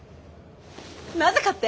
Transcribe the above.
なぜかって？